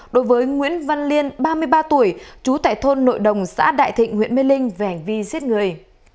đối với nguyễn văn liên ba mươi ba tuổi trú tại thôn nội đồng xã đại thịnh huyện mê linh về hành vi giết người